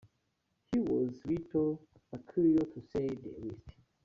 He was a little peculiar, to say the least.